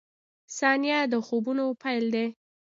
• ثانیه د خوبونو پیل دی.